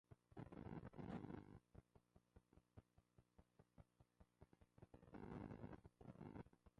En las casas particulares, lo precede inmediatamente la sala principal.